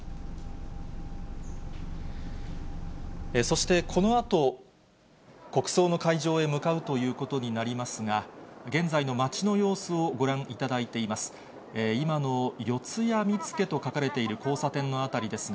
そしてこのあと、国葬の会場へ向かうということになりますが、現在の街の様子をご覧いただいています。